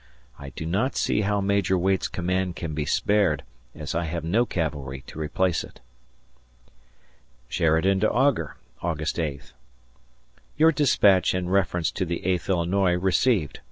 I do not see how Major Waite's command can be spared, as I have no cavalry to replace it. [Sheridan to Augur] August 8th. Your dispatch in reference to the Eighth Illinois received.